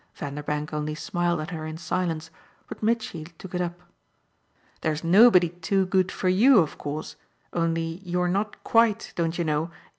Vanderbank only smiled at her in silence, but Mitchy took it up. "There's nobody too good for you, of course; only you're not quite, don't you know?